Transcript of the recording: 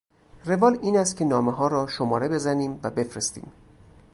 روال این است که نامهها را شماره بزنیم و بفرستیم.